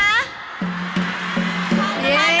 อ๊ากคุณผ่านไหม